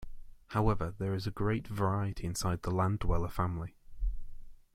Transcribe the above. However, there is a great variety inside the landdweller family.